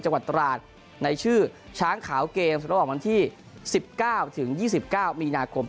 จังหวัดตราดในชื่อช้างขาวเกมส์ระหว่างวันที่๑๙ถึง๒๙มีนาคม